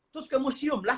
terus ke museum lah